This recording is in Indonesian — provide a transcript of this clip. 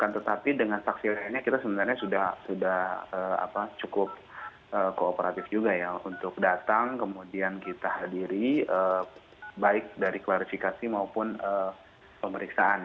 tetapi dengan saksi lainnya kita sebenarnya sudah cukup kooperatif juga ya untuk datang kemudian kita hadiri baik dari klarifikasi maupun pemeriksaan